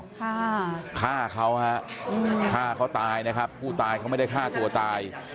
ฆ่าฆ่าเขาฮะฆ่าเขาตายนะครับผู้ตายเขาไม่ได้ฆ่าตัวตาย